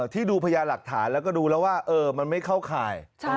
ที่ดูพญาหลักฐานแล้วก็ดูแล้วว่ามันไม่เข้าข่าย